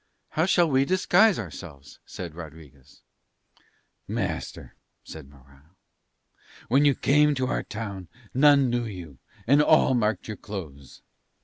"How shall we disguise ourselves?" said Rodriguez. "Master," said Morano, "when you came to our town none knew you and all marked your clothes.